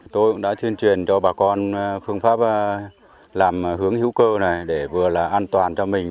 tôi đã truyền truyền cho bà con phương pháp làm hướng hiệu cơ này để vừa là an toàn cho mình